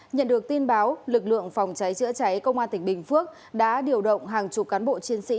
nhận được tin báo lực lượng phòng cháy chữa cháy công an tỉnh bình phước đã điều động hàng chục cán bộ chiến sĩ